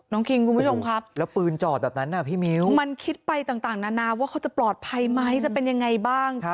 น้องคิงคุณผู้ชมครับมันคิดไปต่างนานาว่าเขาจะปลอดภัยไหมจะเป็นยังไงบ้าง